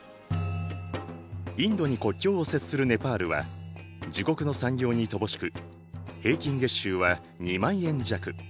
インドに国境を接するネパールは自国の産業に乏しく平均月収は２万円弱。